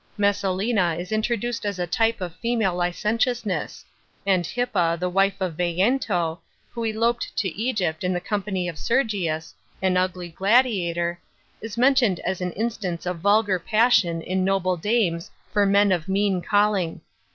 * Mes salina is introduced as a type of female licentiousness; and Ilippia, the wife of Veiento, who eloped to Egypt in the company of Sergius, an ugly gladiator, is mentioned as an instance of vul ar passion in noble dames for men of mean calling.